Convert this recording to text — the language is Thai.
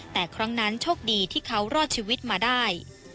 แต่ครั้งนั้นโชคดีที่เขารอดชีวิตมาได้